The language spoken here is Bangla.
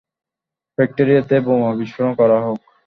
ফ্যাক্টরিটাতে বোমা বিস্ফোরণ করা হোক।